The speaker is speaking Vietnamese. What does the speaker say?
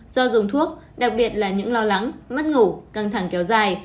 do dùng thuốc đặc biệt là những lo lắng mất ngủ căng thẳng kéo dài